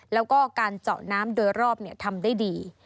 แล้วก็การเจาะน้ำโดยรอบทำได้ดี